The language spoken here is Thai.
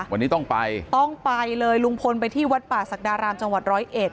วันนี้ต้องไปต้องไปเลยลุงพลไปที่วัดป่าศักดารามจังหวัดร้อยเอ็ด